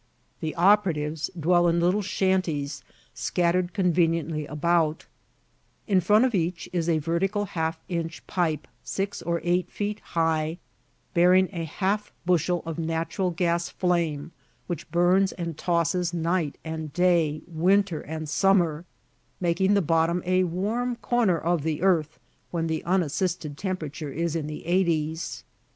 The operatives dwell in little shanties scattered conveniently about; in front of each is a vertical half inch pipe, six or eight feet high, bearing a half bushel of natural gas flame which burns and tosses night and day, winter and summer, making the Bottom a warm corner of the earth, when the unassisted temperature is in the eighties.